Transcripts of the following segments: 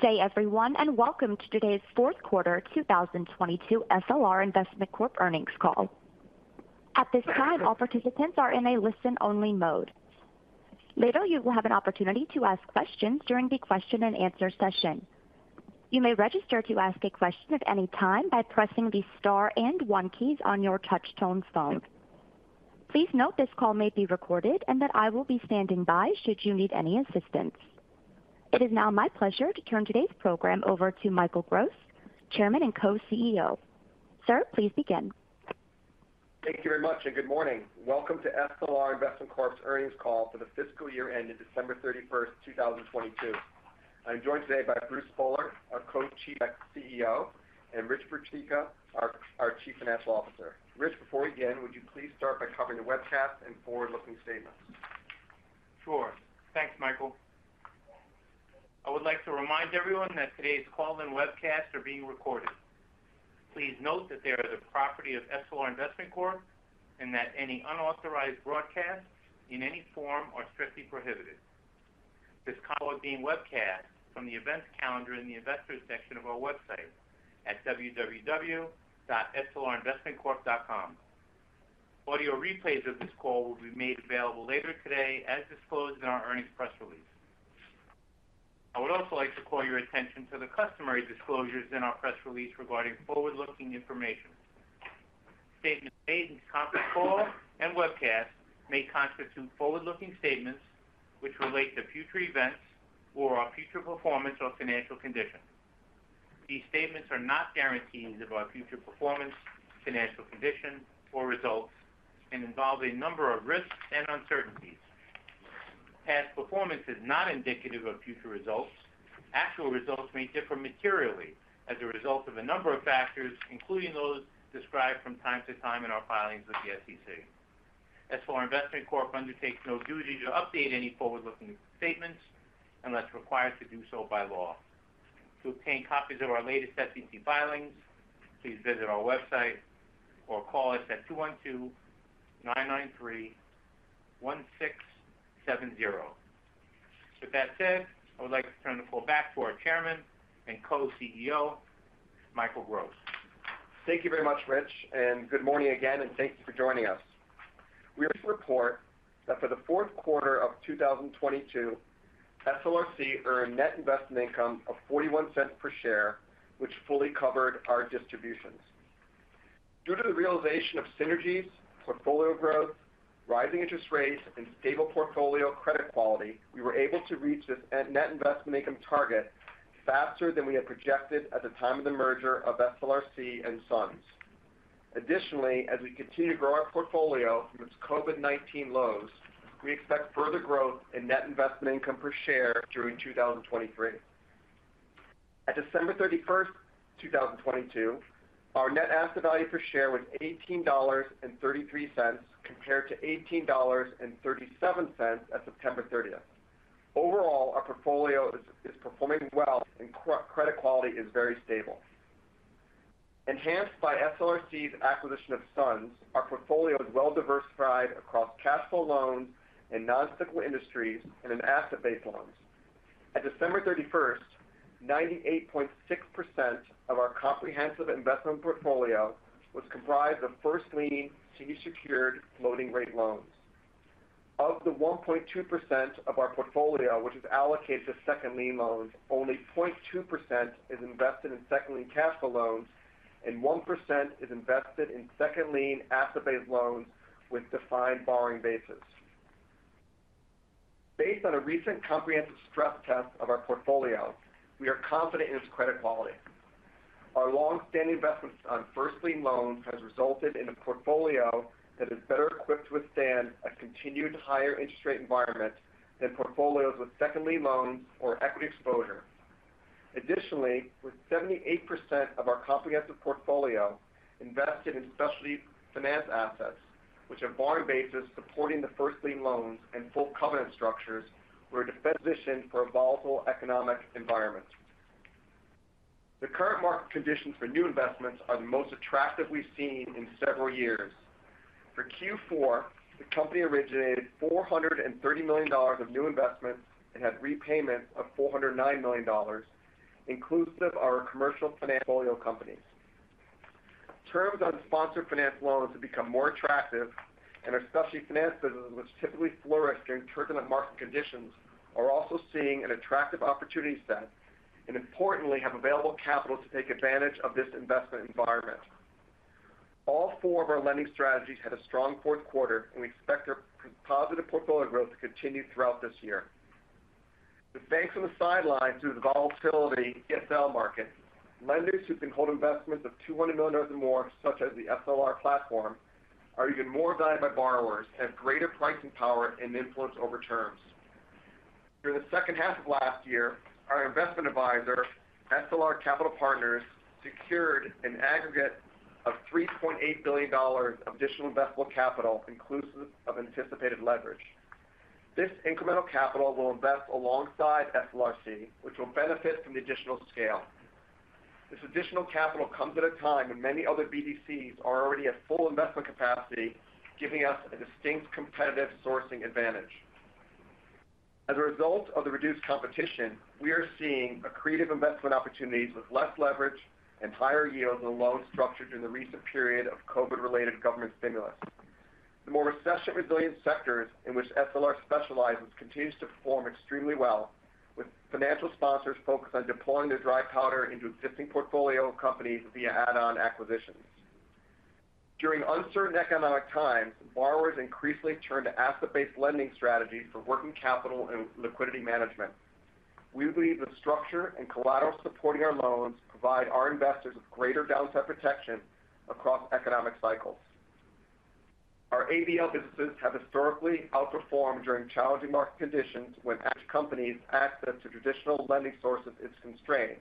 Good day, everyone, and welcome to today's Q4 2022 SLR Investment Corp earnings call. At this time, all participants are in a listen-only mode. Later, you will have an opportunity to ask questions during the question-and-answer session. You may register to ask a question at any time by pressing the star and one keys on your touch-tone phone. Please note this call may be recorded and that I will be standing by should you need any assistance. It is now my pleasure to turn today's program over to Michael Gross, Chairman and Co-CEO. Sir, please begin. Thank you very much, and good morning. Welcome to SLR Investment Corp.'s earnings call for the fiscal year ending December 31st, 2022. I'm joined today by Bruce Spohler, our Co-Chief CEO, and Rich Peteka, our Chief Financial Officer. Rich, before we begin, would you please start by covering the webcast and forward-looking statements? Sure. Thanks, Michael. I would like to remind everyone that today's call and webcast are being recorded. Please note that they are the property of SLR Investment Corp., and that any unauthorized broadcasts in any form are strictly prohibited. This call is being webcast from the events calendar in the investors section of our website at www.slrinvestmentcorp.com. Audio replays of this call will be made available later today as disclosed in our earnings press release. I would also like to call your attention to the customary disclosures in our press release regarding forward-looking information. Statements made in this conference call and webcast may constitute forward-looking statements which relate to future events or our future performance or financial condition. These statements are not guarantees of our future performance, financial condition, or results, and involve a number of risks and uncertainties. Past performance is not indicative of future results. Actual results may differ materially as a result of a number of factors, including those described from time to time in our filings with the SEC. SLR Investment Corp. undertakes no duty to update any forward-looking statements unless required to do so by law. To obtain copies of our latest SEC filings, please visit our website or call us at 212-993-1670. With that said, I would like to turn the call back to our Chairman and Co-CEO, Michael Gross. Thank you very much, Rich, and good morning again, and thank you for joining us. We are pleased to report that for the fourth quarter of 2022, SLRC earned net investment income of $0.41 per share, which fully covered our distributions. Due to the realization of synergies, portfolio growth, rising interest rates, and stable portfolio credit quality, we were able to reach this net investment income target faster than we had projected at the time of the merger of SLRC and SUNS. Additionally, as we continue to grow our portfolio from its COVID-19 lows, we expect further growth in net investment income per share during 2023. At December 31, 2022, our net asset value per share was $18.33 compared to $18.37 at September 30. Overall, our portfolio is performing well and credit quality is very stable. Enhanced by SLRC's acquisition of SUNS, our portfolio is well diversified across cash flow loans and non-cyclical industries and in asset-based loans. At December 31st, 98.6% of our comprehensive investment portfolio was comprised of first lien, senior secured floating rate loans. Of the 1.2% of our portfolio, which is allocated to second lien loans, only 0.2% is invested in second lien cash flow loans, and 1% is invested in second lien asset-based loans with defined borrowing bases. Based on a recent comprehensive stress test of our portfolio, we are confident in its credit quality. Our long-standing investments on first lien loans has resulted in a portfolio that is better equipped to withstand a continued higher interest rate environment than portfolios with second lien loans or equity exposure. Additionally, with 78% of our comprehensive portfolio invested in specialty finance assets, which have borrowing bases supporting the first lien loans and full covenant structures, we're in a better position for a volatile economic environment. The current market conditions for new investments are the most attractive we've seen in several years. For Q4, the company originated $430 million of new investments and had repayments of $409 million, inclusive of our commercial finance portfolio companies. Terms on sponsored finance loans have become more attractive, and our specialty finance business, which typically flourish during turbulent market conditions, are also seeing an attractive opportunity set, and importantly, have available capital to take advantage of this investment environment. All four of our lending strategies had a strong fourth quarter, and we expect our positive portfolio growth to continue throughout this year. With banks on the sidelines due to the volatility in the BSL market, lenders who can hold investments of $200 million or more, such as the SLR platform, are even more valued by borrowers, have greater pricing power, and influence over terms. Through the second half of last year, our investment advisor, SLR Capital Partners, secured an aggregate of $3.8 billion of additional investable capital inclusive of anticipated leverage. This incremental capital will invest alongside SLRC, which will benefit from the additional scale. This additional capital comes at a time when many other BDCs are already at full investment capacity, giving us a distinct competitive sourcing advantage. As a result of the reduced competition, we are seeing accretive investment opportunities with less leverage and higher yields on loans structured in the recent period of COVID-related government stimulus. The more recession-resilient sectors in which SLR specializes continues to perform extremely well, with financial sponsors focused on deploying their dry powder into existing portfolio companies via add-on acquisitions. During uncertain economic times, borrowers increasingly turn to asset-based lending strategies for working capital and liquidity management. We believe the structure and collateral supporting our loans provide our investors with greater downside protection across economic cycles. Our ABL businesses have historically outperformed during challenging market conditions when such companies' access to traditional lending sources is constrained,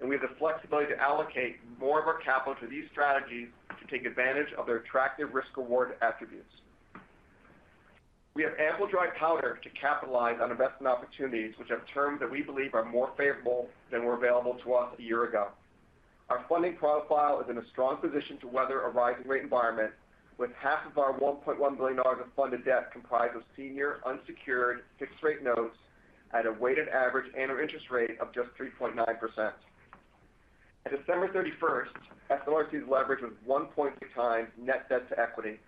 and we have the flexibility to allocate more of our capital to these strategies to take advantage of their attractive risk-reward attributes. We have ample dry powder to capitalize on investment opportunities which have terms that we believe are more favorable than were available to us a year ago. Our funding profile is in a strong position to weather a rising rate environment, with half of our $1.1 billion of funded debt comprised of senior unsecured fixed-rate notes at a weighted average annual interest rate of just 3.9%. At December 31st, SLRC's leverage was 1.6 times net debt to equity,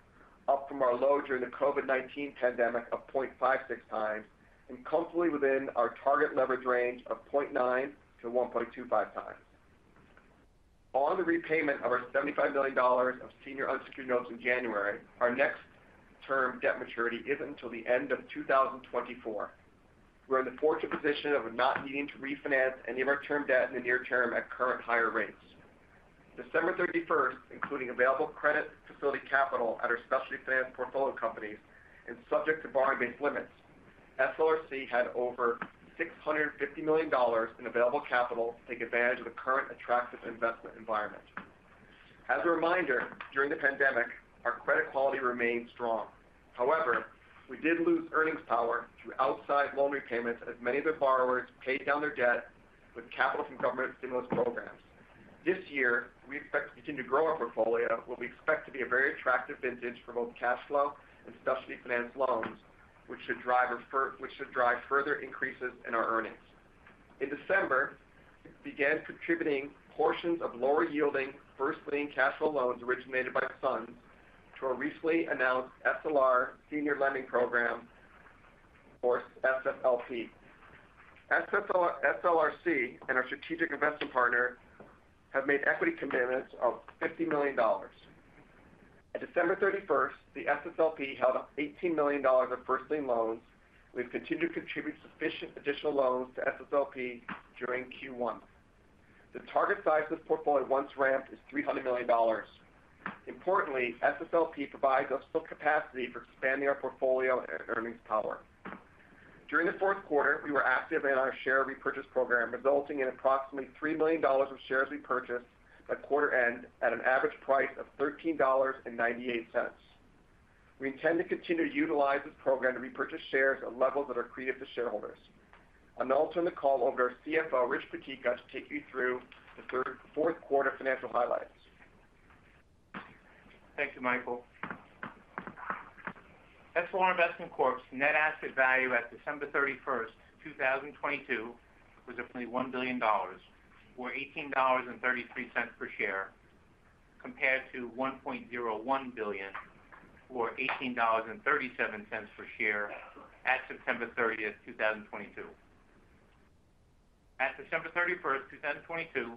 up from our low during the COVID-19 pandemic of 0.56 times, and comfortably within our target leverage range of 0.9 to 1.25 times. On the repayment of our $75 million of senior unsecured notes in January, our next term debt maturity isn't until the end of 2024. We're in the fortunate position of not needing to refinance any of our term debt in the near term at current higher rates. December 31st, including available credit facility capital at our specialty finance portfolio companies and subject to borrowing base limits, SLRC had over $650 million in available capital to take advantage of the current attractive investment environment. As a reminder, during the pandemic, our credit quality remained strong. However, we did lose earnings power through outside loan repayments as many of the borrowers paid down their debt with capital from government stimulus programs. This year, we expect to continue to grow our portfolio, what we expect to be a very attractive vintage for both cash flow and specialty finance loans, which should drive further increases in our earnings. In December, we began contributing portions of lower-yielding first lien cash flow loans originated by our funds to our recently announced SLR Senior Lending Program, or SSLP. SLRC and our strategic investment partner have made equity commitments of $50 million. At December 31st, the SSLP held up $18 million of first lien loans. We've continued to contribute sufficient additional loans to SSLP during Q1. The target size of this portfolio once ramped is $300 million. Importantly, SSLP provides us with capacity for expanding our portfolio and earnings power. During the fourth quarter, we were active in our share repurchase program, resulting in approximately $3 million of shares repurchased at quarter end at an average price of $13.98. We intend to continue to utilize this program to repurchase shares at levels that are accretive to shareholders. I'll now turn the call over to our CFO, Rich Peteka, to take you through the fourth quarter financial highlights. Thank you, Michael. SLR Investment Corp.'s net asset value at December 31, 2022, was approximately $1 billion, or $18.33 per share, compared to $1.01 billion, or $18.37 per share at September 30, 2022. At December 31, 2022,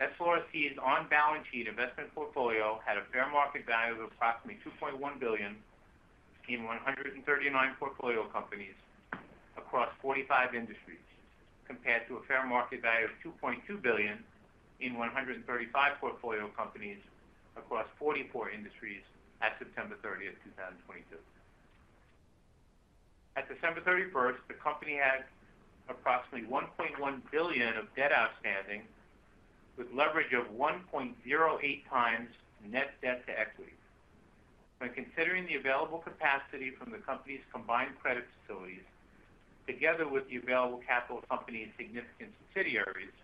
SLRC's on-balance sheet investment portfolio had a fair market value of approximately $2.1 billion in 139 portfolio companies across 45 industries, compared to a fair market value of $2.2 billion in 135 portfolio companies across 44 industries at September 30, 2022. At December 31, the company had approximately $1.1 billion of debt outstanding, with leverage of 1.08x net debt to equity. When considering the available capacity from the company's combined credit facilities together with the available capital company and significant subsidiaries,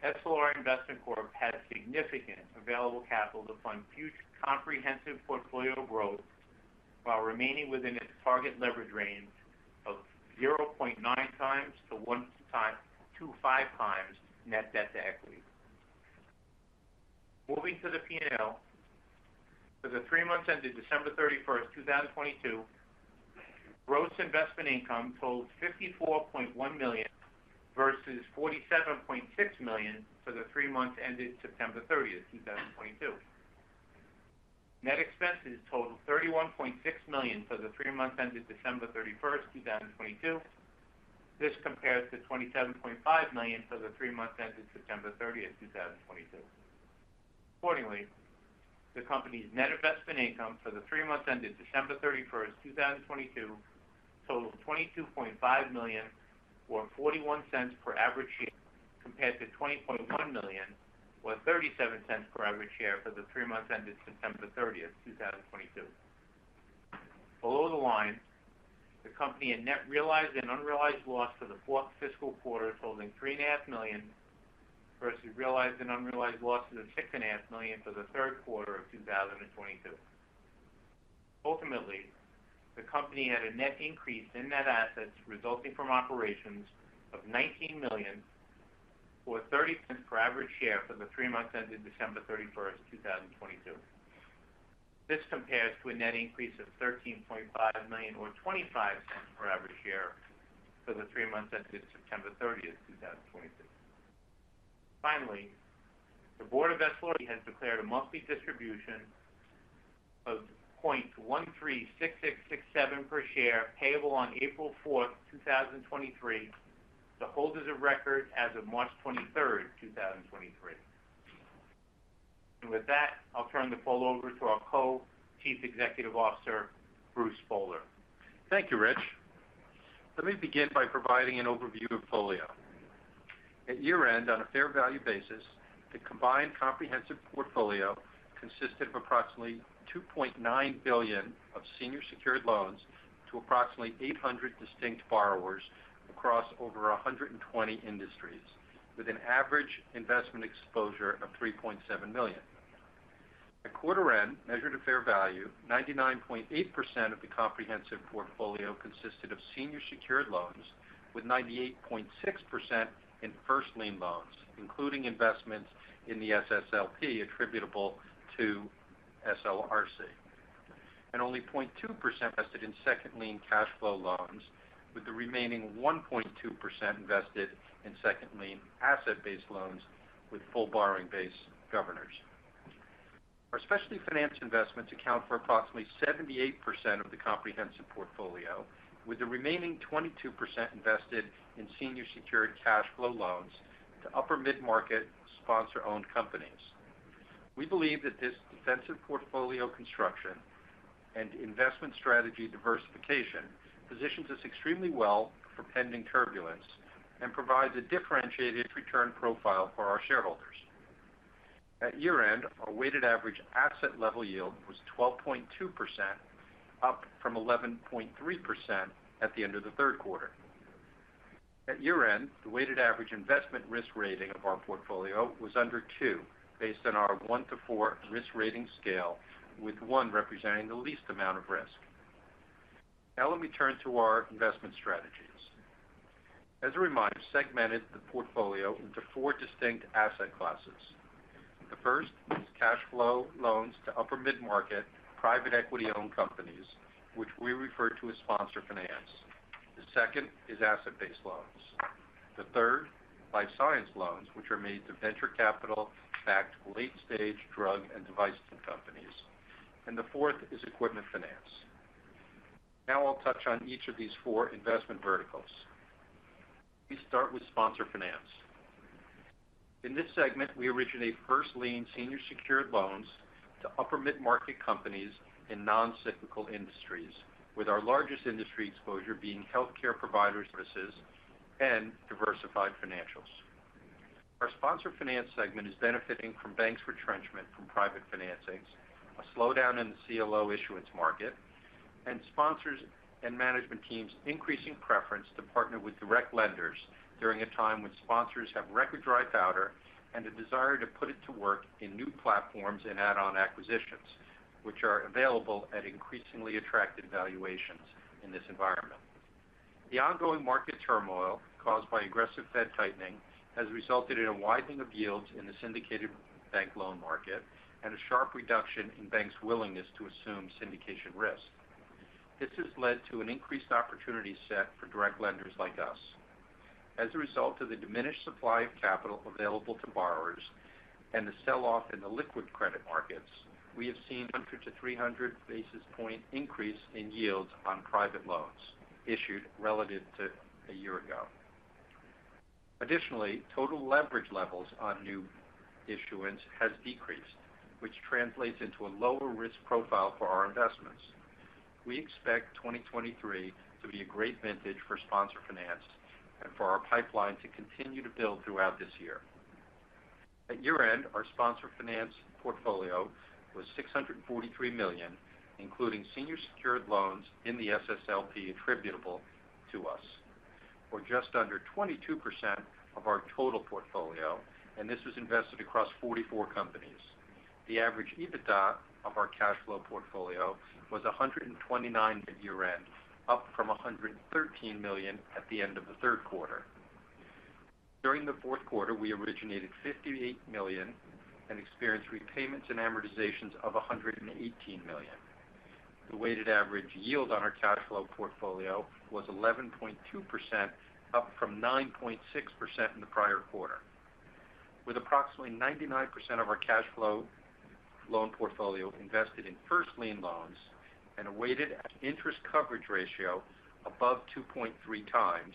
SLR Investment Corp. had significant available capital to fund future comprehensive portfolio growth while remaining within its target leverage range of 0.9 times to 1.5 times net debt to equity. Moving to the P&L. For the three months ended December 31, 2022, gross investment income totaled $54.1 million versus $47.6 million for the three months ended September 30, 2022. Net expenses totaled $31.6 million for the three months ended December 31, 2022. This compares to $27.5 million for the three months ended September 30, 2022. Accordingly, the company's net investment income for the three months ended December 31, 2022 totaled $22.5 million, or $0.41 per average share, compared to $20.1 million, or $0.37 per average share for the three months ended September 30, 2022. Below the line, the company had net realized and unrealized loss for the 4th fiscal quarter totaling $3.5 Million versus realized and unrealized losses of $6.5 Million for the 3rd quarter of 2022. Ultimately, the company had a net increase in net assets resulting from operations of $19 million or $0.30 per average share for the three months ended December 31, 2022. This compares to a net increase of $13.5 million or $0.25 per average share for the three months ended September 30th, 2022. Finally, the board of SLRC has declared a monthly distribution of $0.136667 per share payable on April 4th, 2023 to holders of record as of March 23rd, 2023. With that, I'll turn the call over to our Co-Chief Executive Officer, Bruce Spohler. Thank you, Rich. Let me begin by providing an overview of portfolio. At year-end, on a fair value basis, the combined comprehensive portfolio consisted of approximately $2.9 billion of senior secured loans to approximately 800 distinct borrowers across over 120 industries, with an average investment exposure of $3.7 million. At quarter end, measured at fair value, 99.8% of the comprehensive portfolio consisted of senior secured loans, with 98.6% in first lien loans, including investments in the SSLP attributable to SLRC, and only 0.2% invested in second lien cash flow loans, with the remaining 1.2% invested in second lien asset-based loans with full borrowing base governors. Our specialty finance investments account for approximately 78% of the comprehensive portfolio, with the remaining 22% invested in senior secured cash flow loans to upper mid-market sponsor-owned companies. We believe that this defensive portfolio construction and investment strategy diversification positions us extremely well for pending turbulence and provides a differentiated return profile for our shareholders. At year-end, our weighted average asset level yield was 12.2%, up from 11.3% at the end of the third quarter. At year-end, the weighted average investment risk rating of our portfolio was under two based on our 1-to-4 risk rating scale, with one representing the least amount of risk. Let me turn to our investment strategies. As a reminder, segmented the portfolio into four distinct asset classes. The first is cash flow loans to upper mid-market private equity-owned companies, which we refer to as sponsor finance. The second is asset-based loans. The third, life science loans, which are made to venture capital-backed late-stage drug and device companies. The fourth is equipment finance. Now I'll touch on each of these four investment verticals. We start with sponsor finance. In this segment, we originate first lien senior secured loans to upper mid-market companies in non-cyclical industries, with our largest industry exposure being healthcare providers services and diversified financials. Our sponsor finance segment is benefiting from banks retrenchment from private financings, a slowdown in the CLO issuance market, and sponsors and management teams' increasing preference to partner with direct lenders during a time when sponsors have record dry powder and a desire to put it to work in new platforms and add-on acquisitions, which are available at increasingly attractive valuations in this environment. The ongoing market turmoil caused by aggressive Fed tightening has resulted in a widening of yields in the syndicated bank loan market and a sharp reduction in banks' willingness to assume syndication risk. This has led to an increased opportunity set for direct lenders like us. As a result of the diminished supply of capital available to borrowers and the sell-off in the liquid credit markets, we have seen a 100 to 300 basis point increase in yields on private loans issued relative to a year ago. Additionally, total leverage levels on new issuance has decreased, which translates into a lower risk profile for our investments. We expect 2023 to be a great vintage for sponsor finance and for our pipeline to continue to build throughout this year. At year-end, our sponsor finance portfolio was $643 million, including senior secured loans in the SSLP attributable to us, or just under 22% of our total portfolio, and this was invested across 44 companies. The average EBITDA of our cash flow portfolio was 129 at year-end, up from $113 million at the end of the third quarter. During the fourth quarter, we originated $58 million and experienced repayments and amortizations of $118 million. The weighted average yield on our cash flow portfolio was 11.2%, up from 9.6% in the prior quarter. With approximately 99% of our cash flow loan portfolio invested in first lien loans and a weighted interest coverage ratio above 2.3 times,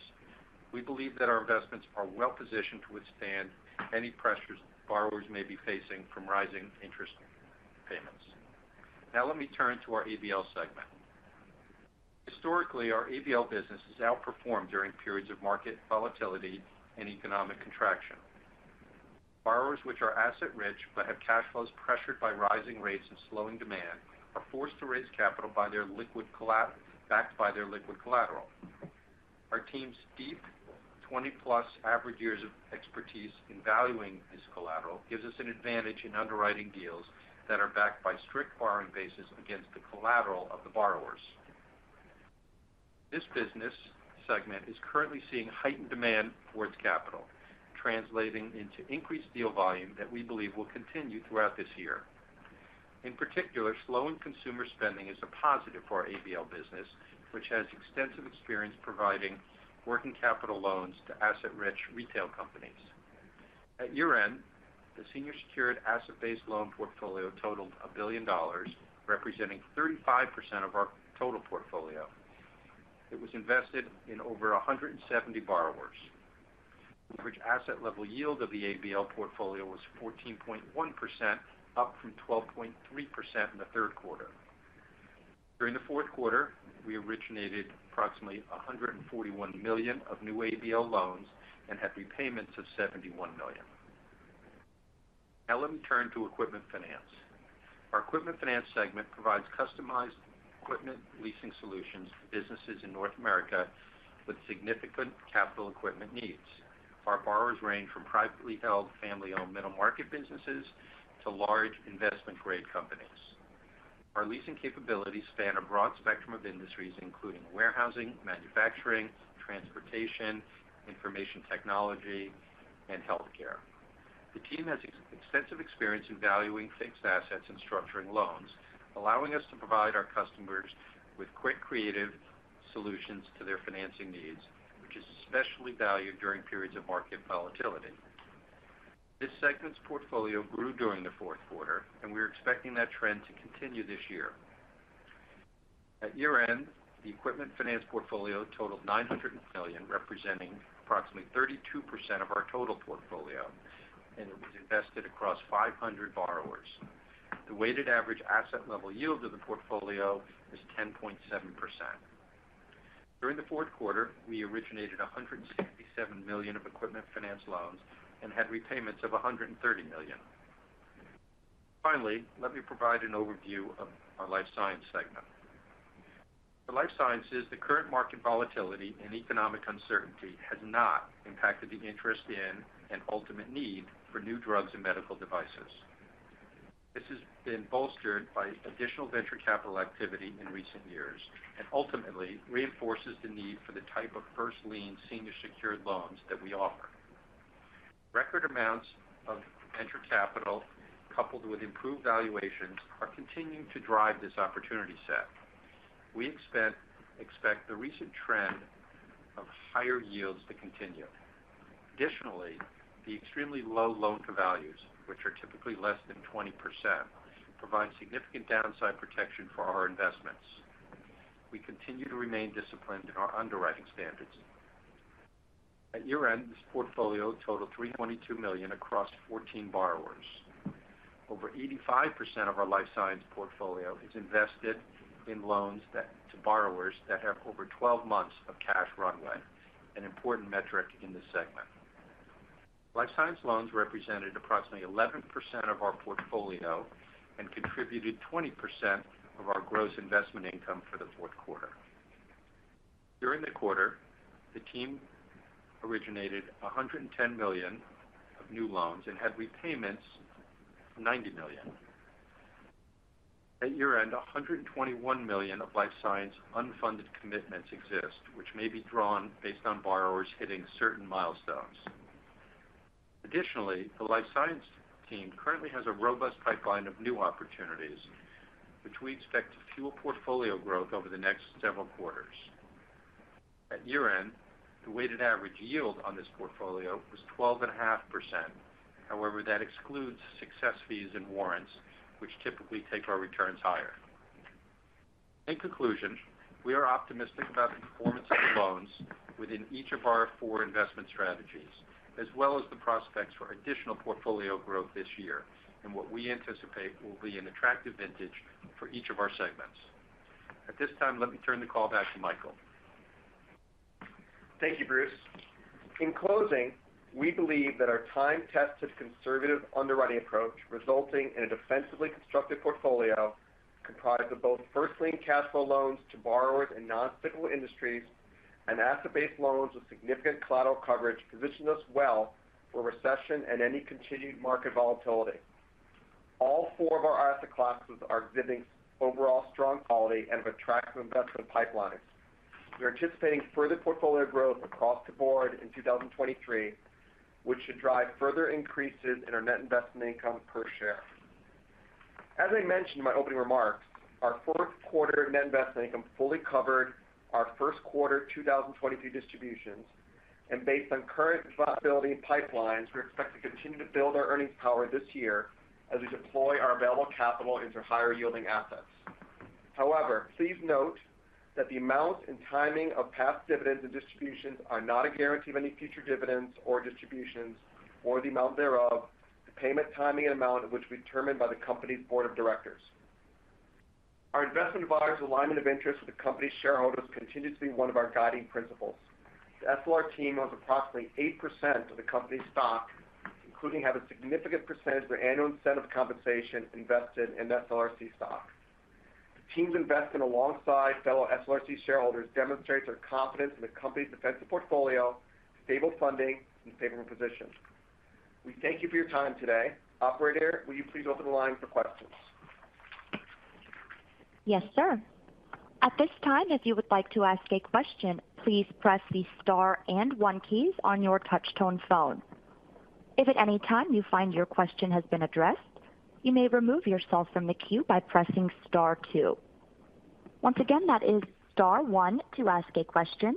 we believe that our investments are well-positioned to withstand any pressures borrowers may be facing from rising interest payments. Let me turn to our ABL segment. Historically, our ABL business has outperformed during periods of market volatility and economic contraction. Borrowers which are asset rich but have cash flows pressured by rising rates and slowing demand are forced to raise capital backed by their liquid collateral. Our team's deep 20+ average years of expertise in valuing this collateral gives us an advantage in underwriting deals that are backed by strict borrowing bases against the collateral of the borrowers. This business segment is currently seeing heightened demand towards capital, translating into increased deal volume that we believe will continue throughout this year. In particular, slowing consumer spending is a positive for our ABL business, which has extensive experience providing working capital loans to asset-rich retail companies. At year-end, the senior secured asset-based loan portfolio totaled $1 billion, representing 35% of our total portfolio. It was invested in over 170 borrowers. The average asset level yield of the ABL portfolio was 14.1%, up from 12.3% in the third quarter. During the fourth quarter, we originated approximately $141 million of new ABL loans and had repayments of $71 million. Let me turn to equipment finance. Our equipment finance segment provides customized equipment leasing solutions to businesses in North America with significant capital equipment needs. Our borrowers range from privately held, family-owned middle-market businesses to large investment-grade companies. Our leasing capabilities span a broad spectrum of industries, including warehousing, manufacturing, transportation, information technology, and healthcare. The team has extensive experience in valuing fixed assets and structuring loans, allowing us to provide our customers with quick, creative solutions to their financing needs, which is especially valued during periods of market volatility. This segment's portfolio grew during the fourth quarter, and we're expecting that trend to continue this year. At year-end, the equipment finance portfolio totaled $900 million, representing approximately 32% of our total portfolio, and it was invested across 500 borrowers. The weighted average asset level yield of the portfolio is 10.7%. During the fourth quarter, we originated $167 million of equipment finance loans and had repayments of $130 million. Finally, let me provide an overview of our life science segment. For life sciences, the current market volatility and economic uncertainty has not impacted the interest in and ultimate need for new drugs and medical devices. This has been bolstered by additional venture capital activity in recent years and ultimately reinforces the need for the type of first-lien senior secured loans that we offer. Record amounts of venture capital, coupled with improved valuations, are continuing to drive this opportunity set. We expect the recent trend of higher yields to continue. Additionally, the extremely low loan-to-values, which are typically less than 20%, provide significant downside protection for our investments. We continue to remain disciplined in our underwriting standards. At year-end, this portfolio totaled $322 million across 14 borrowers. Over 85% of our life science portfolio is invested in loans to borrowers that have over 12 months of cash runway, an important metric in this segment. Life science loans represented approximately 11% of our portfolio and contributed 20% of our gross investment income for the fourth quarter. During the quarter, the team originated $110 million of new loans and had repayments of $90 million. At year-end, $121 million of life science unfunded commitments exist, which may be drawn based on borrowers hitting certain milestones. Additionally, the life science team currently has a robust pipeline of new opportunities, which we expect to fuel portfolio growth over the next several quarters. At year-end, the weighted average yield on this portfolio was 12.5%. However, that excludes success fees and warrants, which typically take our returns higher. In conclusion, we are optimistic about the performance of the loans within each of our four investment strategies, as well as the prospects for additional portfolio growth this year and what we anticipate will be an attractive vintage for each of our segments. At this time, let me turn the call back to Michael. Thank you, Bruce. In closing, we believe that our time-tested conservative underwriting approach resulting in a defensively constructed portfolio comprised of both first lien cash flow loans to borrowers in non-cyclical industries and asset-based loans with significant collateral coverage position us well for recession and any continued market volatility. All four of our asset classes are exhibiting overall strong quality and have attractive investment pipelines. We are anticipating further portfolio growth across the board in 2023, which should drive further increases in our Net Investment Income per share. As I mentioned in my opening remarks, our fourth quarter Net Investment Income fully covered our first quarter 2023 distributions. Based on current profitability and pipelines, we expect to continue to build our earnings power this year as we deploy our available capital into higher-yielding assets. Please note that the amount and timing of past dividends and distributions are not a guarantee of any future dividends or distributions or the amount thereof, the payment timing and amount of which will be determined by the company's board of directors. Our investment advisors' alignment of interest with the company's shareholders continues to be one of our guiding principles. The SLR team owns approximately 8% of the company's stock, including have a significant percentage of their annual incentive compensation invested in SLRC stock. The team's investment alongside fellow SLRC shareholders demonstrates their confidence in the company's defensive portfolio, stable funding, and favorable position. We thank you for your time today. Operator, will you please open the line for questions? Yes, sir. At this time, if you would like to ask a question, please press the star and one keys on your touch-tone phone. If at any time you find your question has been addressed, you may remove yourself from the queue by pressing star two. Once again, that is star one to ask a question.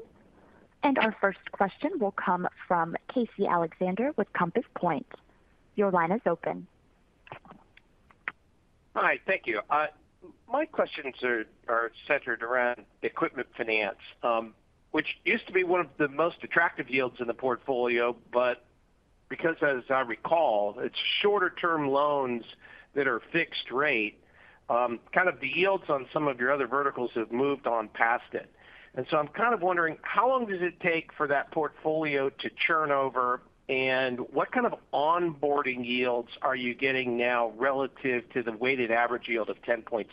Our first question will come from Casey Alexander with Compass Point. Your line is open. Hi, thank you. My questions are centered around equipment finance, which used to be one of the most attractive yields in the portfolio. Because as I recall, it's shorter-term loans that are fixed rate, kind of the yields on some of your other verticals have moved on past it. I'm kind of wondering how long does it take for that portfolio to churn over, and what kind of onboarding yields are you getting now relative to the weighted average yield of 10.7%?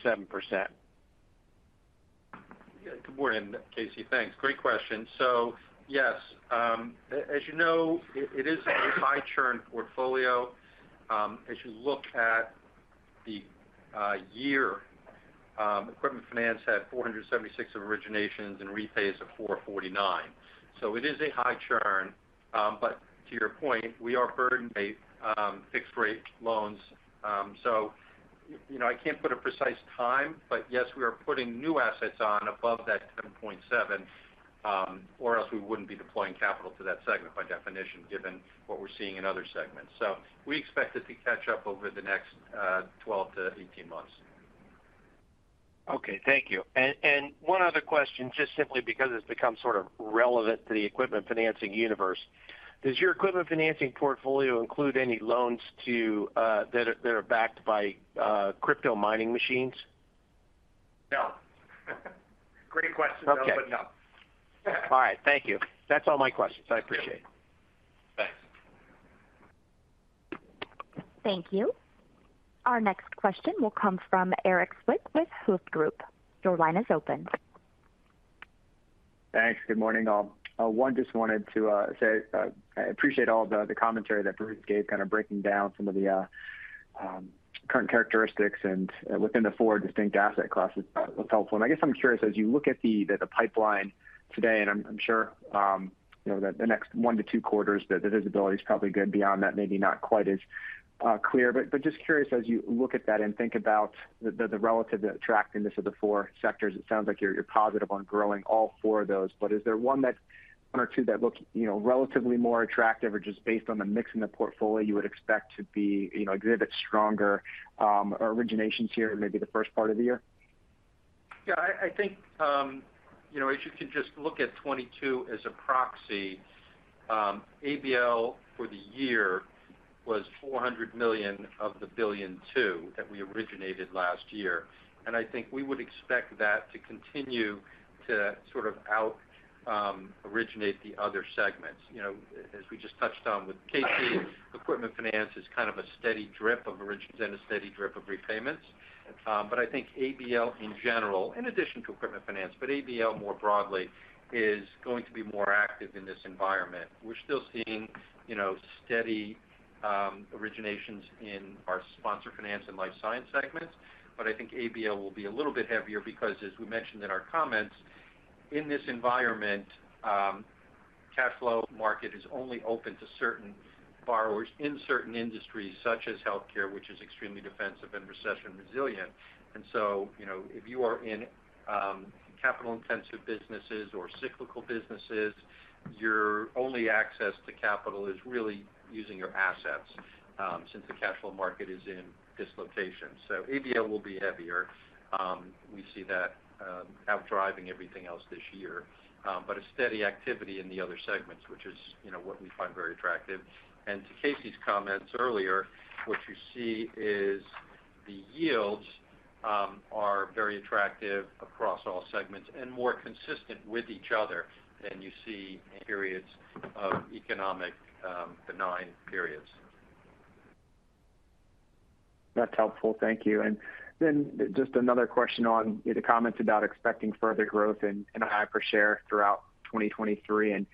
Yeah. Good morning, Casey. Thanks. Great question. Yes, as you know, it is a high churn portfolio. As you look at the year, equipment finance had 476 originations and repays of 449. It is a high churn. To your point, we are borrowing base, fixed-rate loans. you know, I can't put a precise time. Yes, we are putting new assets on above that 10.7, or else we wouldn't be deploying capital to that segment by definition, given what we're seeing in other segments. We expect it to catch up over the next 12-18 months. Okay. Thank you. One other question, just simply because it's become sort of relevant to the equipment financing universe. Does your equipment financing portfolio include any loans to, that are backed by crypto mining machines? No. Great question though. Okay. No. All right. Thank you. That's all my questions. I appreciate it. Thanks. Thank you. Our next question will come from Erik Zwick with Hovde Group. Your line is open. Thanks. Good morning, all. One, just wanted to say I appreciate all the commentary that Bruce gave, kind of breaking down some of the current characteristics within the four distinct asset classes. That was helpful. And I guess I'm curious, as you look at the pipeline today, and I'm sure, you know, that the next one to two quarters the visibility is probably good. Beyond that, maybe not quite as clear. But just curious as you look at that and think about the relative attractiveness of the four sectors, it sounds like you're positive on growing all four of those. Is there one or two that look, you know, relatively more attractive or just based on the mix in the portfolio you would expect to be, you know, a little bit stronger, originations here in maybe the first part of the year? Yeah. I think, you know, if you can just look at 2022 as a proxy, ABL for the year was $400 million of the $1.2 billion that we originated last year. I think we would expect that to continue to sort of out originate the other segments. You know, as we just touched on with Casey, equipment finance is kind of a steady drip of origins and a steady drip of repayments. I think ABL in general, in addition to equipment finance, but ABL more broadly is going to be more active in this environment. We're still seeing, you know, steady originations in our sponsor finance and life science segments. I think ABL will be a little bit heavier because as we mentioned in our comments, in this environment, cash flow market is only open to certain borrowers in certain industries such as healthcare, which is extremely defensive and recession-resilient. You know, if you are in capital-intensive businesses or cyclical businesses, your only access to capital is really using your assets, since the cash flow market is in dislocation. ABL will be heavier. We see that outdriving everything else this year. A steady activity in the other segments, which is, you know, what we find very attractive. To Casey's comments earlier, what you see is the yields are very attractive across all segments and more consistent with each other than you see in periods of economic, benign periods. That's helpful. Thank you. Just another question on the comments about expecting further growth in NII per share throughout 2023.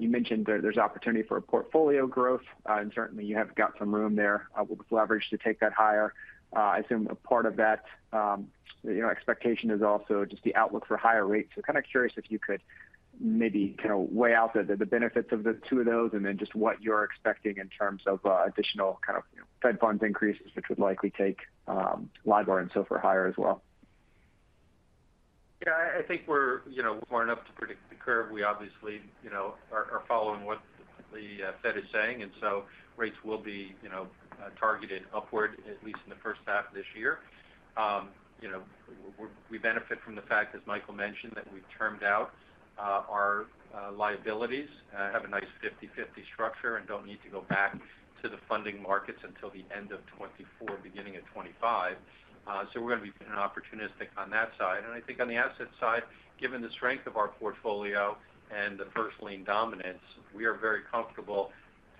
You mentioned there's opportunity for a portfolio growth, and certainly you have got some room there with leverage to take that higher. I assume a part of that, you know, expectation is also just the outlook for higher rates. Kind of curious if you could maybe kind of weigh out the benefits of the two of those and then just what you're expecting in terms of additional kind of Fed funds increases, which would likely take LIBOR and SOFR higher as well. Yeah. I think we're, you know, smart enough to predict the curve. We obviously, you know, are following the Fed is saying, and so rates will be, you know, targeted upward, at least in the first half of this year. You know, we benefit from the fact, as Michael mentioned, that we've termed out our liabilities, have a nice 50/50 structure and don't need to go back to the funding markets until the end of 2024, beginning of 2025. We're gonna be opportunistic on that side. I think on the asset side, given the strength of our portfolio and the first lien dominance, we are very comfortable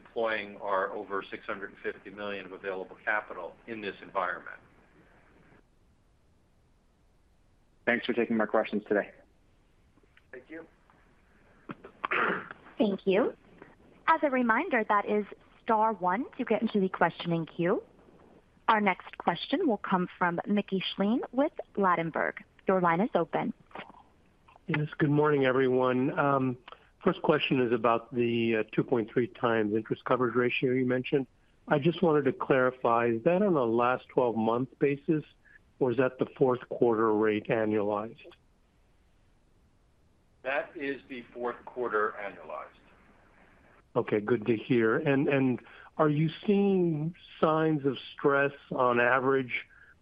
deploying our over $650 million of available capital in this environment. Thanks for taking my questions today. Thank you. Thank you. As a reminder, that is star one to get into the questioning queue. Our next question will come from Mickey Schleien with Ladenburg. Your line is open. Yes. Good morning, everyone. First question is about the 2.3 times interest coverage ratio you mentioned. I just wanted to clarify, is that on a last 12-month basis, or is that the fourth quarter rate annualized? That is the fourth quarter annualized. Okay. Good to hear. Are you seeing signs of stress on average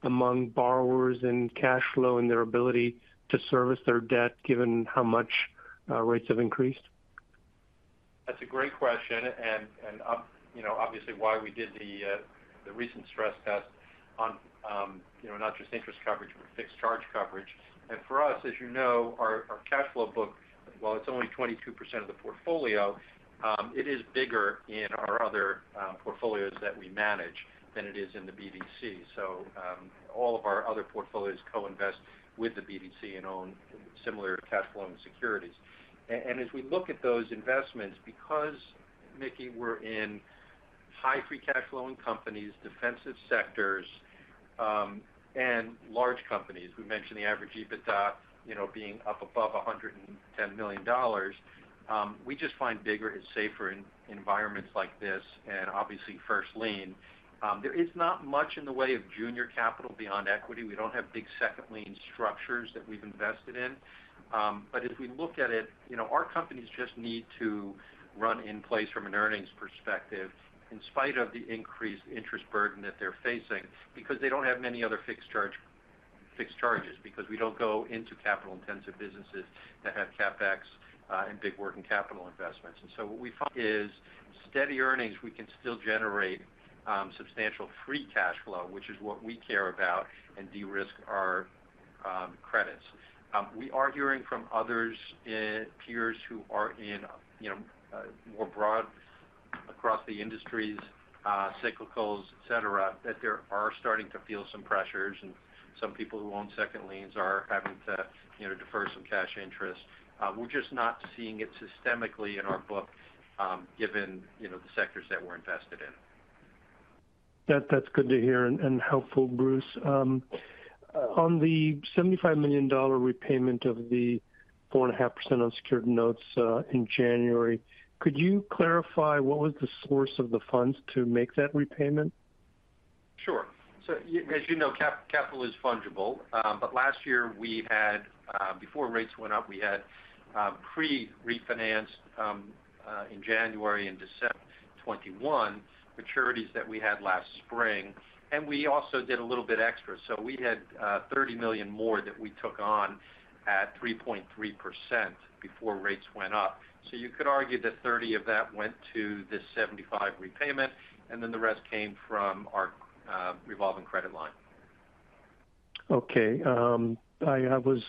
among borrowers and cash flow and their ability to service their debt given how much rates have increased? That's a great question, you know, obviously why we did the recent stress test on, you know, not just interest coverage, but fixed charge coverage. For us, as you know, our cash flow book, while it's only 22% of the portfolio, it is bigger in our other portfolios that we manage than it is in the BDC. All of our other portfolios co-invest with the BDC and own similar cash flow and securities. As we look at those investments, because, Mickey, we're in high free cash flow in companies, defensive sectors, and large companies, we mentioned the average EBITDA, you know, being up above $110 million, we just find bigger is safer in environments like this, and obviously first lien. There is not much in the way of junior capital beyond equity. We don't have big second lien structures that we've invested in. If we look at it, you know, our companies just need to run in place from an earnings perspective in spite of the increased interest burden that they're facing because they don't have many other fixed charges, because we don't go into capital-intensive businesses that have CapEx and big working capital investments. What we find is steady earnings, we can still generate substantial free cash flow, which is what we care about and de-risk our credits. We are hearing from others in peers who are in, you know, more broad across the industries, cyclicals, et cetera, that they are starting to feel some pressures. Some people who own second liens are having to, you know, defer some cash interest. We're just not seeing it systemically in our book, given, you know, the sectors that we're invested in. That's good to hear and helpful, Bruce Spohler. On the $75 million repayment of the 4.5% unsecured notes, in January, could you clarify what was the source of the funds to make that repayment? Sure. So as you know, capital is fungible. Last year, we had before rates went up, we had pre-refinanced in January and December 2021, maturities that we had last spring. We also did a little bit extra. We had $30 million more that we took on at 3.3% before rates went up. You could argue that 30 of that went to the $75 repayment, and then the rest came from our revolving credit line. Okay. I was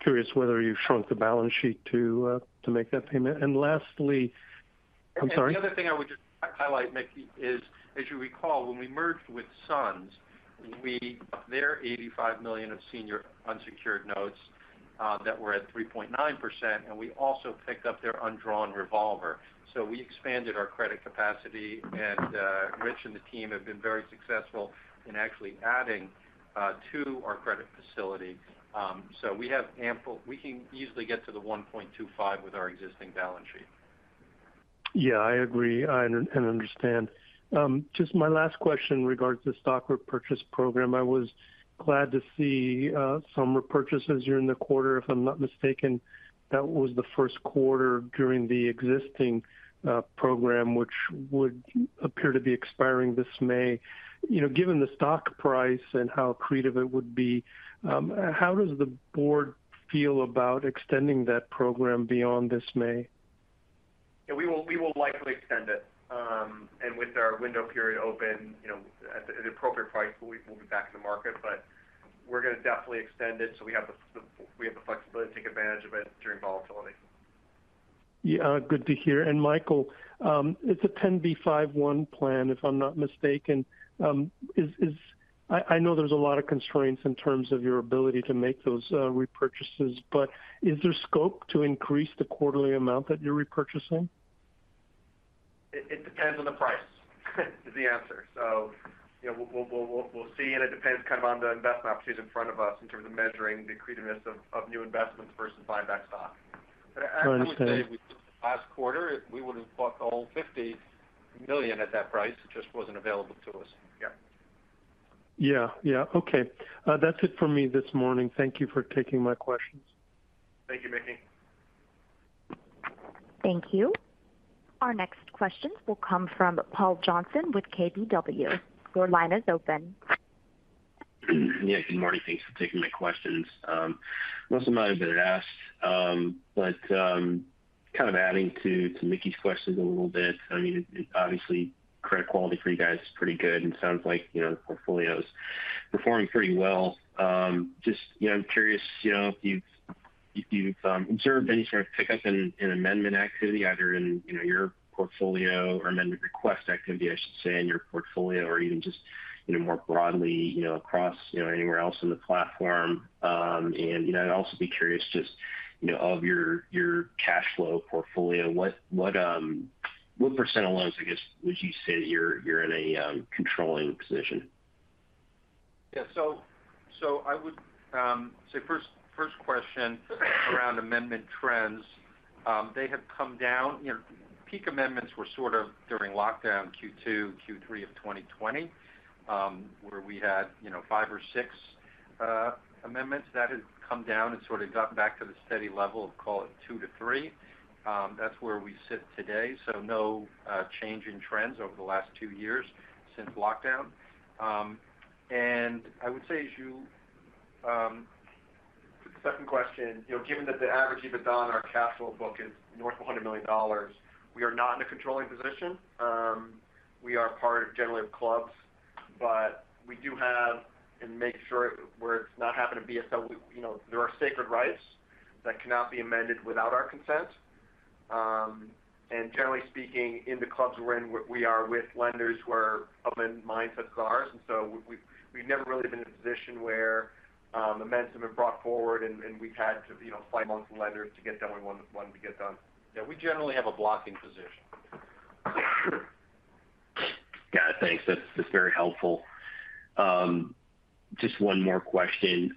curious whether you shrunk the balance sheet to make that payment. Lastly... I'm sorry. The other thing I would just highlight, Mickey, is, as you recall, when we merged with SUNS, their $85 million of senior unsecured notes, that were at 3.9%, and we also picked up their undrawn revolver. We expanded our credit capacity, and Rich and the team have been very successful in actually adding to our credit facility. We have we can easily get to the 1.25 with our existing balance sheet. Yeah, I agree and understand. Just my last question regards the stock repurchase program. I was glad to see some repurchases during the quarter. If I'm not mistaken, that was the first quarter during the existing program, which would appear to be expiring this May. You know, given the stock price and how accretive it would be, how does the board feel about extending that program beyond this May? Yeah, we will likely extend it. With our window period open, you know, at the appropriate price, we'll be back in the market. We're gonna definitely extend it so we have the flexibility to take advantage of it during volatility. Yeah, good to hear. Michael, it's a 10b5-1 plan, if I'm not mistaken. I know there's a lot of constraints in terms of your ability to make those repurchases, but is there scope to increase the quarterly amount that you're repurchasing? It depends on the price is the answer. You know, we'll see, and it depends kind of on the investment opportunities in front of us in terms of measuring the accretiveness of new investments versus buying back stock. Understood. I would say if we took the last quarter, we would have bought the whole $50 million at that price. It just wasn't available to us. Yeah. Yeah, yeah. Okay. That's it for me this morning. Thank you for taking my questions. Thank you, Mickey. Thank you. Our next question will come from Paul Johnson with KBW. Your line is open. Yeah, good morning. Thanks for taking my questions. Most of them might have been asked, but kind of adding to Mickey's questions a little bit. I mean, obviously credit quality for you guys is pretty good and sounds like, you know, the portfolio is performing pretty well. Just, you know, I'm curious, you know, if you've observed any sort of pickup in amendment activity either in, you know, your portfolio or amendment request activity, I should say, in your portfolio or even just, you know, more broadly, you know, across, you know, anywhere else in the platform. You know, I'd also be curious just, you know, of your cash flow portfolio, what percentage of loans, I guess, would you say you're in a controlling position? Yeah. I would say first question around amendment trends. They have come down. You know, peak amendments were sort of during lockdown Q2, Q3 of 2020, where we had, you know, five or six amendments. That has come down and sort of gotten back to the steady level of, call it two to three. That's where we sit today, so no change in trends over the last two years since lockdown. I would say as you. The second question, you know, given that the average EBITDA on our cash flow book is north of $100 million, we are not in a controlling position. We are part generally of clubs, but we do have and make sure where it's not happened to [BSO], you know, there are sacred rights that cannot be amended without our consent. Generally speaking, in the clubs we're in, we are with lenders who are open mindset as ours. We've never really been in a position where amendments have been brought forward and we've had to, you know, fight amongst the lenders to get done what we wanted to get done. We generally have a blocking position. Got it. Thanks. That's very helpful. Just one more question.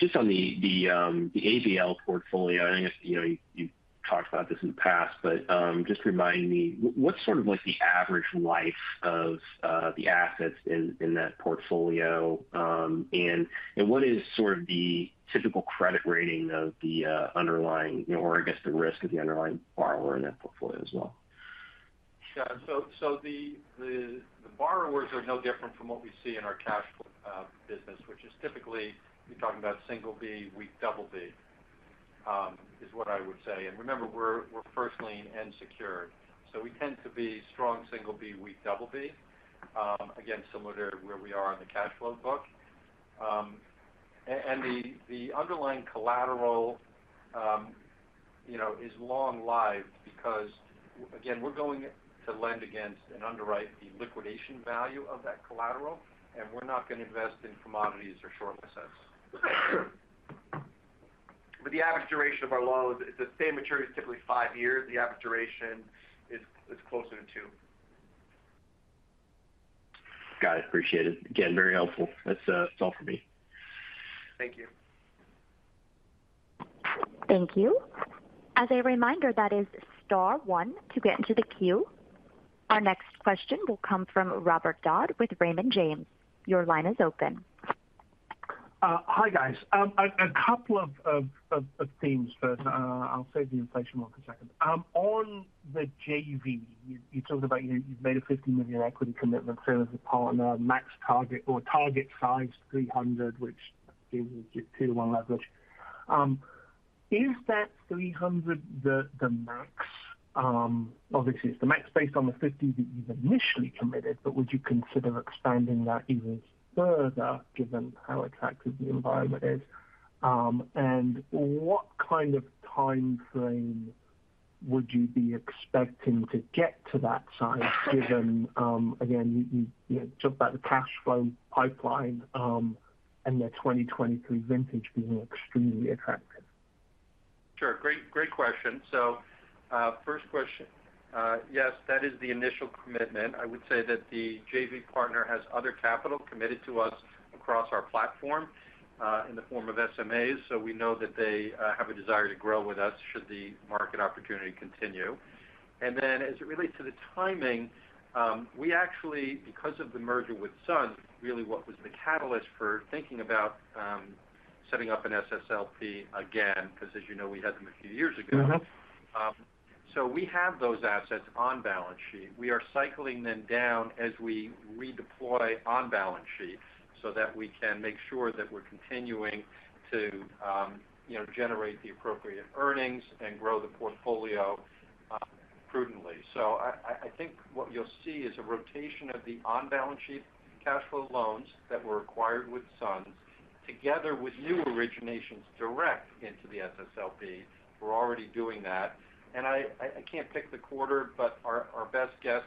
Just on the ABL portfolio, I guess, you know, you talked about this in the past, but just remind me, what's sort of like the average life of the assets in that portfolio, and what is sort of the typical credit rating of the underlying or I guess, the risk of the underlying borrower in that portfolio as well? The borrowers are no different from what we see in our cash flow business, which is typically you're talking about single B, weak double B is what I would say. Remember, we're first lien and secured, so we tend to be strong single B, weak double B again, similar to where we are on the cash flow book. And the underlying collateral, you know, is long lived because again, we're going to lend against and underwrite the liquidation value of that collateral, and we're not going to invest in commodities or short assets. The average duration of our loans is the same maturity is typically 5 years. The average duration is closer to 2. Got it. Appreciate it. Again, very helpful. That's all for me. Thank you. Thank you. As a reminder, that is star one to get into the queue. Our next question will come from Robert Dodd with Raymond James. Your line is open. Hi, guys. A couple of themes first. I'll save the inflation one for a second. On the JV, you talked about you've made a $50 million equity commitment, serve as a partner, max target or target size $300 million, which gives you two to one leverage. Is that $300 million the max? Obviously it's the max based on the $50 million that you've initially committed, but would you consider expanding that even further given how attractive the environment is? What kind of timeframe would you be expecting to get to that size given, again, you talked about the cash flow pipeline, and the 2023 vintage being extremely attractive. Sure. Great question. First question. Yes, that is the initial commitment. I would say that the JV partner has other capital committed to us across our platform, in the form of SMAs, so we know that they have a desire to grow with us should the market opportunity continue. As it relates to the timing, we actually because of the merger with SUNS, really what was the catalyst for thinking about setting up an SSLP again, because as you know, we had them a few years ago. Mm-hmm. We have those assets on balance sheet. We are cycling them down as we redeploy on balance sheet so that we can make sure that we're continuing to, you know, generate the appropriate earnings and grow the portfolio prudently. I think what you'll see is a rotation of the on-balance sheet cash flow loans that were acquired with SUNS together with new originations direct into the SSLP. We're already doing that. I can't pick the quarter, but our best guess,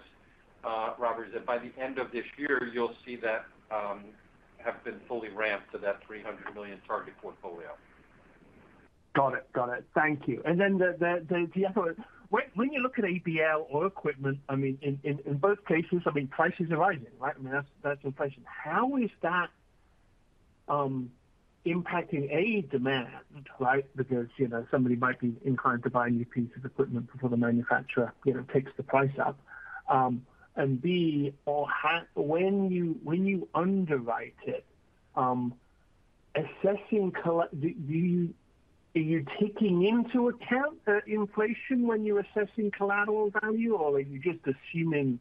Robert, is that by the end of this year, you'll see that have been fully ramped to that $300 million target portfolio. Got it. Got it. Thank you. Then the other one. When you look at ABL or equipment, I mean, in both cases, I mean, prices are rising, right? I mean, that's inflation. How is that impacting A, demand, right? Because, you know, somebody might be inclined to buy a new piece of equipment before the manufacturer, you know, takes the price up. B, when you underwrite it, assessing do you are you taking into account inflation when you're assessing collateral value, or are you just assuming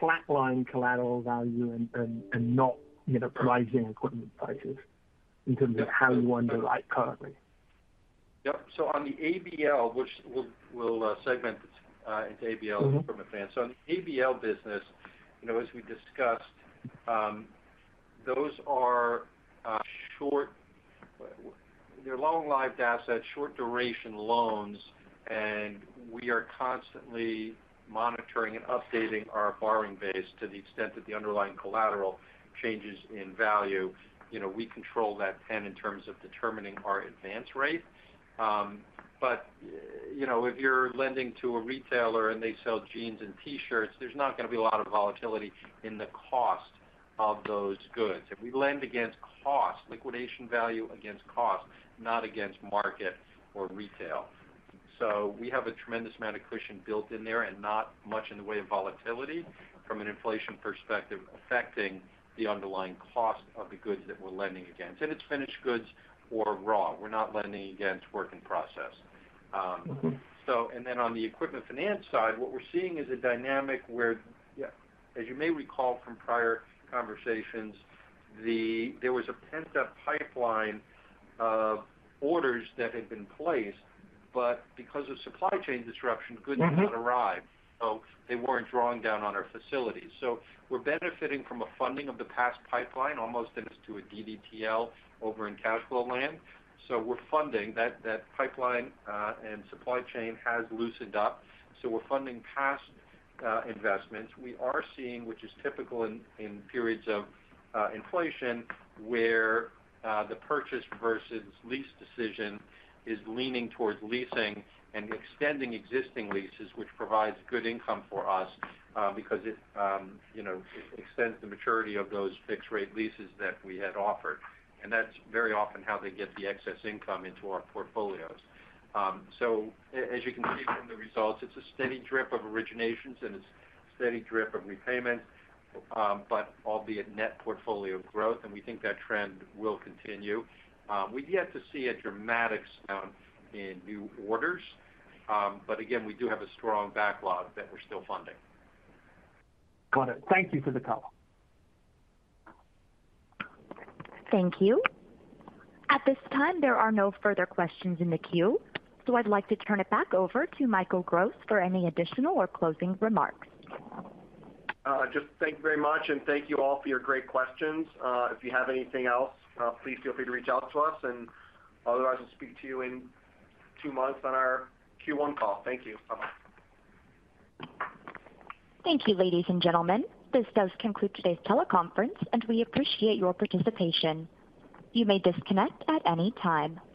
flatline collateral value and not, you know, pricing equipment prices in terms of how you underwrite currently? Yep. On the ABL, which we'll segment it into ABL. Mm-hmm From advance. On the ABL business, you know, as we discussed, those are They're long-lived assets, short duration loans, and we are constantly monitoring and updating our borrowing base to the extent that the underlying collateral changes in value. You know, we control that pen in terms of determining our advance rate. You know, if you're lending to a retailer and they sell jeans and T-shirts, there's not gonna be a lot of volatility in the cost of those goods. If we lend against cost, liquidation value against cost, not against market or retail. We have a tremendous amount of cushion built in there and not much in the way of volatility from an inflation perspective affecting the underlying cost of the goods that we're lending against. It's finished goods or raw. We're not lending against work in process. On the equipment finance side, what we're seeing is a dynamic where, as you may recall from prior conversations, there was a pent-up pipeline of orders that had been placed. Because of supply chain disruption. Mm-hmm Goods did not arrive, so they weren't drawing down on our facilities. We're benefiting from a funding of the past pipeline, almost into a DDTL over in cash flow land. We're funding. That pipeline and supply chain has loosened up, so we're funding past investments. We are seeing, which is typical in periods of inflation, where the purchase versus lease decision is leaning towards leasing and extending existing leases, which provides good income for us, because it, you know, extends the maturity of those fixed rate leases that we had offered. That's very often how they get the excess income into our portfolios. As you can see from the results, it's a steady drip of originations and a steady drip of repayments, but albeit net portfolio growth, and we think that trend will continue. We've yet to see a dramatic bounce in new orders. Again, we do have a strong backlog that we're still funding. Got it. Thank you for the color. Thank you. At this time, there are no further questions in the queue. I'd like to turn it back over to Michael Gross for any additional or closing remarks. Just thank you very much, and thank you all for your great questions. If you have anything else, please feel free to reach out to us, and otherwise we'll speak to you in two months on our Q1 call. Thank you. Bye-bye. Thank you, ladies and gentlemen. This does conclude today's teleconference, and we appreciate your participation. You may disconnect at any time.